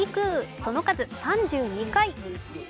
その数３２回。